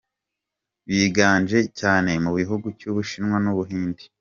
biganje cyane mu bihugu cy’ubushinwa n’ubuhinde.